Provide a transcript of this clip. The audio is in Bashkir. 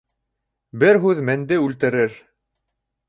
Бер һүҙ менде үлтерер.